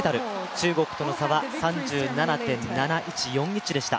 中国との差は３７．７１４１でした。